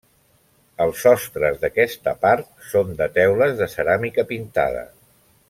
Els sostres d'aquesta part són de teules de ceràmica pintada.